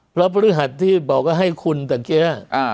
เพราะภรรยาที่บอกว่าให้คุณตะเกี๊ย